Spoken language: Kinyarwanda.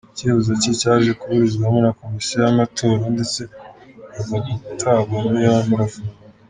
Icyifuzo cye cyaje kuburizwamo na Komisiyo y'amatora ndetse aza gutabwa muri yombi arafungwa.